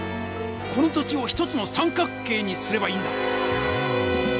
この土地を１つの三角形にすればいいんだ！